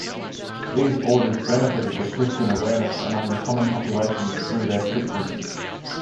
These orders benefited the Christian awareness among the common populations through their preaching.